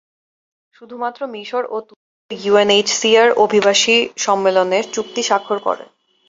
শুধুমাত্র মিশর ও তুরস্ক ইউএনএইচসিআর অভিবাসী সম্মেলনে চুক্তি স্বাক্ষর করে।